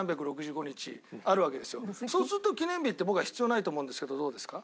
そうすると記念日って僕は必要ないと思うんですけどどうですか？